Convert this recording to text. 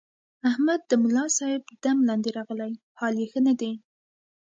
احمد د ملاصاحب دم لاندې راغلی، حال یې ښه نه دی.